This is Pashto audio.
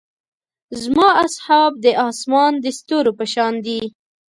زما اصحاب د اسمان د ستورو پۀ شان دي.